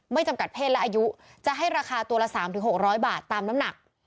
ไม่จำกัดเพศและอายุจะให้ราคาตัวละสามถึงหกร้อยบาทตามน้ำหนัก